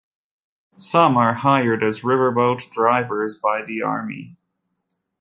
Some are hired as river boat drivers by the Army.